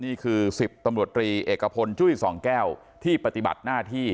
นี่คือ๑๐ตำรวจตรีเอกพลจุ้ยสองแก้วที่ปฏิบัติหน้าที่